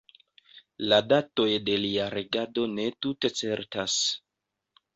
La datoj de lia regado ne tute certas.